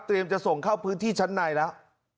จะส่งเข้าพื้นที่ชั้นในแล้ว